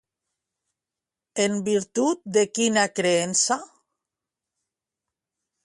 En virtut de quina creença?